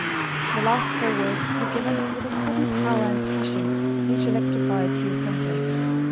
The last four words were given with a sudden power and passion which electrified the assembly.